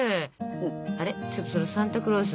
あれちょっとそのサンタクロース